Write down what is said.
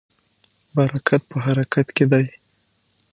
برکت په حرکت کې دی.